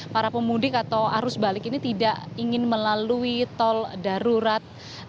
para pemudik atau arus balik ini tidak ingin melalui tol darurat